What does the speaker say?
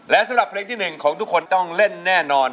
และสำหรับเพลงที่๑ของทุกคนต้องเล่นแน่นอน